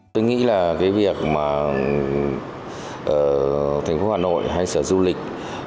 tôi nghĩ là cái việc mà thành phố hà nội hay sở du lịch